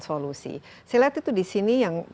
solusi saya lihat itu di sini yang